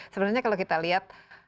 sebenarnya kalau kita lihat